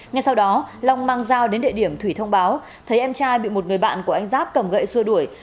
ngay sau đó long mang dao đến địa điểm thủy thông báo thấy em trai bị một người bạn của anh giáp cầm gậy xua đuổi